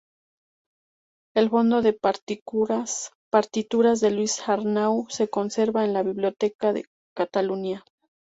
El fondo de partituras de Luis Arnau se conserva en la Biblioteca de Catalunya.